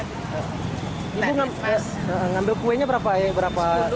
ibu ngambil kuenya berapa ya